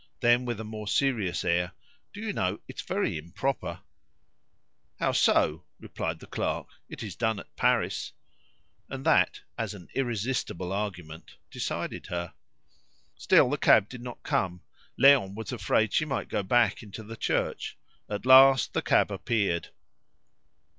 Then with a more serious air, "Do you know, it is very improper " "How so?" replied the clerk. "It is done at Paris." And that, as an irresistible argument, decided her. Still the cab did not come. Léon was afraid she might go back into the church. At last the cab appeared.